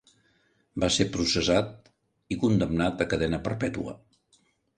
Va ser processat i condemnat a cadena perpètua.